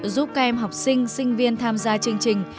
giúp các em học sinh sinh viên tham gia chương trình